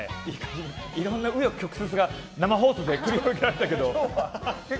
いろんな紆余曲折が生放送で繰り広げられたけど。